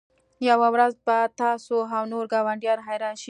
یوه ورځ به تاسو او نور ګاونډیان حیران شئ